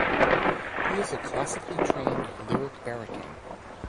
He is a classically trained lyric baritone.